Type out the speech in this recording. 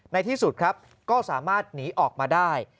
ในที่สุดครับก็สามารถหนีออกมาได้